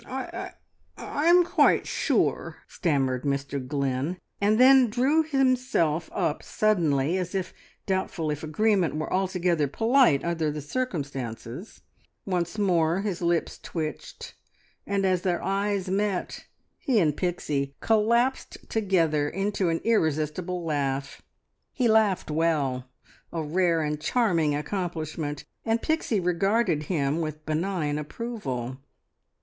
"I I am quite sure," stammered Mr Glynn, and then drew himself up suddenly, as if doubtful if agreement were altogether polite under the circumstances. Once more his lips twitched, and as their eyes met he and Pixie collapsed together into an irresistible laugh. He laughed well, a rare and charming accomplishment, and Pixie regarded him with benign approval.